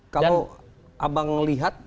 kalau abang melihat